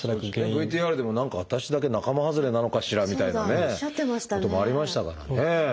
ＶＴＲでも「何か私だけ仲間外れなのかしら」みたいなこともありましたからね。